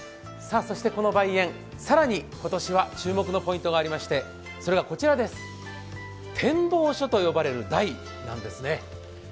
そしてこの梅苑、更に今年は注目のポイントがありましてそれがこちら、展望所と呼ばれる台なんですね。